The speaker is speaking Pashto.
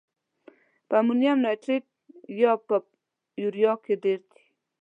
په امونیم نایتریت یا په یوریا کې ډیر دی؟